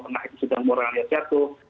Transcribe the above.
karena itu sudah moralnya jatuh